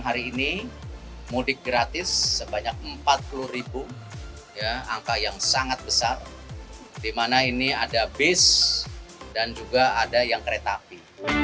hari ini mudik gratis sebanyak empat puluh ribu angka yang sangat besar di mana ini ada bis dan juga ada yang kereta api